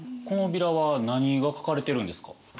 このビラは何が描かれてるんですか？